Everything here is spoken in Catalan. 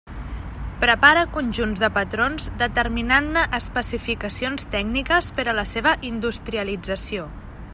Prepara conjunts de patrons determinant-ne especificacions tècniques per a la seva industrialització.